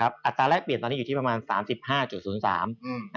อัตราแรกเปลี่ยนตอนนี้อยู่ที่ประมาณ๓๕๐๓